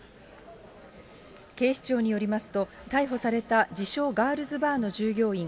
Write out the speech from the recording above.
警視庁によりますと、逮捕された自称ガールズバーの従業員、